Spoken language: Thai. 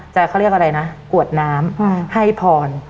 เขาเรียกอะไรนะกวดน้ำให้พร